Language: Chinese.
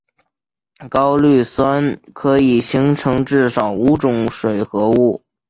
高氯酸可以形成至少五种水合物。